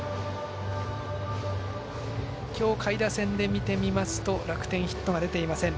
今日、下位打線で見てみますと楽天、ヒットが出ていません。